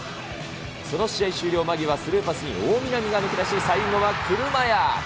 その試合終了間際では、スルーパスに大南が抜け出し、最後は車屋。